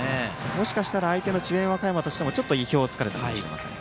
もしかしたら相手の智弁和歌山としても意表を突かれたかもしれません。